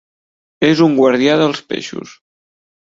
És un guardià dels peixos.